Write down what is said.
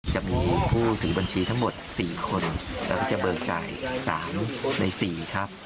จะมีผู้ถือบัญชีทั้งหมด๔คนแล้วก็จะเบิกจ่าย๓ใน๔ครับ